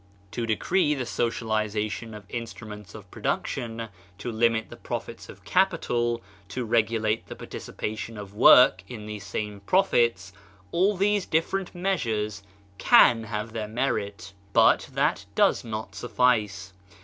To decree the socialisation of instru ments of production, to limit the profits 170 BAHAISM of capital, to regulate the participation of work in these same profits, all these different measures can have their merit. But that does not suffice.